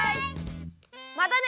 またね！